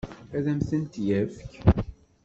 Ad m-tent-yefk?